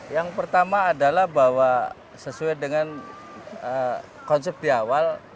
yang pertama adalah bahwa sesuai dengan konsep di awal